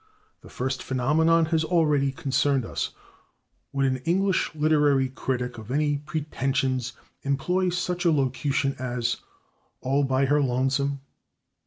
The first phenomenon has already concerned us. Would an English literary critic of any pretensions employ such a locution as "all by her /lonesome